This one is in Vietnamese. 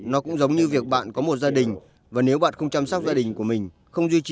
nó cũng giống như việc bạn có một gia đình và nếu bạn không chăm sóc gia đình của mình